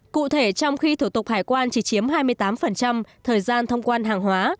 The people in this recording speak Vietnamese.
cụ thể trong khi thủ tục hải quan chỉ chiếm hai mươi tám thời gian thông quan hàng hóa